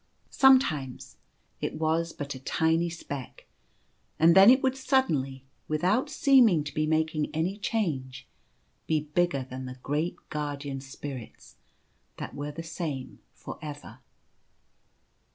Sometimes it was but a tiny speck, and then it would suddenly, without seeming to be making any change, be bigger than the great Guardian Spirits that were the same for ever.